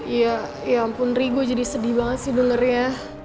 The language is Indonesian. ya ampun ri gue jadi sedih banget sih dengernya